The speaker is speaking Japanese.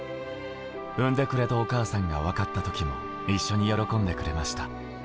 産んでくれたお母さんがわかった時も、一緒に喜んでくれました。